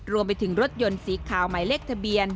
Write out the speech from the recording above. รวมไปถึงรถยนต์สีขาวหมายเลขทะเบียน